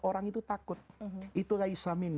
orang itu takut itulah islam